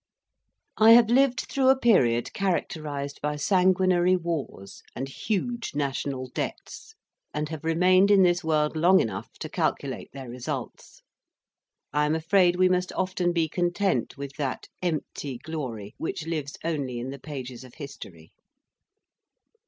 I have lived through a period characterized by sanguinary wars and huge national debts, and have remained in this world long enough to calculate their results. I am afraid we must often be content with that empty glory which lives only in the pages of history.